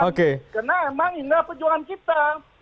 karena memang ini adalah perjuangan kita